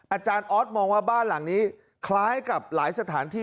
อาจารย์ออสมองว่าบ้านหลังนี้คล้ายกับหลายสถานที่